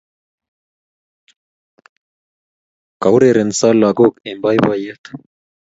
Kourerenso lagok eng' poipoiyet